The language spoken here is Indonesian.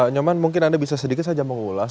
nyoman mungkin anda bisa sedikit saja mengulas